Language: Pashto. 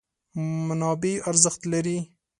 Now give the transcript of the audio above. منابع ارزښت لري.